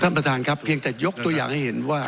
ท่านประธานครับเพียงแต่ยกตัวอย่างให้เห็นว่า